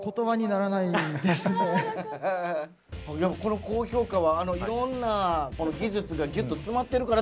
いやこの高評価はいろんな技術がぎゅっと詰まってるから？